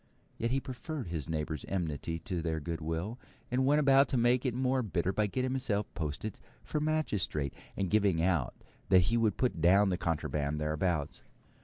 Yet he preferred his neighbour's enmity to their goodwill, and went about to make it more bitter by getting himself posted for magistrate, and giving out that he would put down the contraband thereabouts.